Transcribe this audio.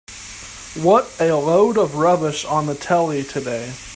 What a load of rubbish on the telly today.